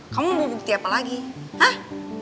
kamu mau bukti apa lagi ah